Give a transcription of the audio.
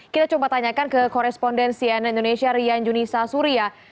kita coba tanyakan ke korespondensi nn indonesia rian junisa surya